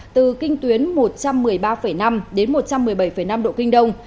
từ kinh tuyến một trăm một mươi ba năm đến một trăm một mươi bảy năm độ kinh đông